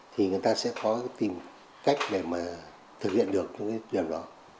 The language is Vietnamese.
thì người ta sẽ có tìm cách để mà thực hiện được những cái điểm đó